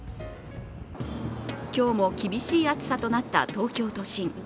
今日も厳しい暑さとなった東京都心。